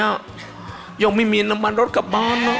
ยังไม่มีน้ำมันรถกลับบ้านเนอะ